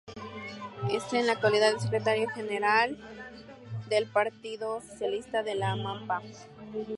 Es en la actualidad Secretario General del Partido Socialista de La Pampa.